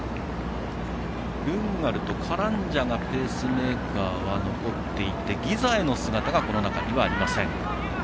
ルンガルと、カランジャがペースメーカーは残っていてギザエの姿はこの中にはありません。